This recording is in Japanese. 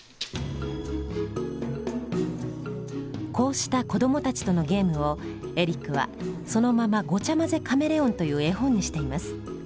こうした子どもたちとのゲームをエリックはそのまま「ごちゃまぜカメレオン」という絵本にしています。